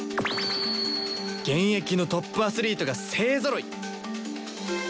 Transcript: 現役のトップアスリートが勢ぞろい！